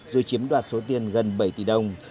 rồi chiếm đoạt số tiền gần bảy tỷ đồng